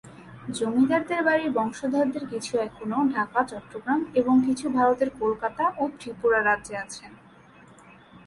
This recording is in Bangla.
জমিদার বাড়ির বংশধরদের কিছু এখনো ঢাকা, চট্টগ্রাম এবং কিছু ভারতের কলকাতা ও ত্রিপুরা রাজ্যে আছেন।